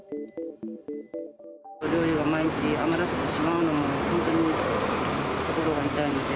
料理を毎日余らせてしまうのも本当に心が痛いので。